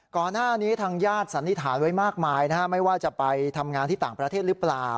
ก่อนหน้านี้ทางญาติสันนิษฐานไว้มากมายนะฮะไม่ว่าจะไปทำงานที่ต่างประเทศหรือเปล่า